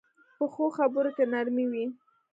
پخو خبرو کې نرمي وي